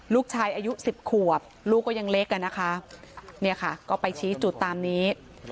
ลูกชายอายุ๑๐ขวบลูกก็ยังเล็กอ่ะนะคะเนี่ยค่ะก็ไปชี้จุดตามนี้